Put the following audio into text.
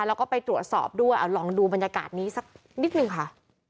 แล้วก็ไปตรวจสอบด้วยเอาลองดูบรรยากาศนี้สักนิดนึงค่ะ